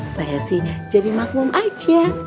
saya sih jadi makmum aja